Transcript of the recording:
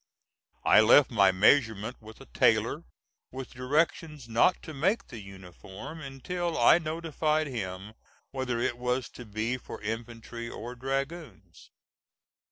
I left my measurement with a tailor, with directions not to make the uniform until I notified him whether it was to be for infantry or dragoons.